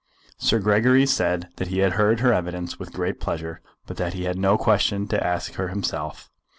Sir Gregory said that he had heard her evidence with great pleasure, but that he had no question to ask her himself.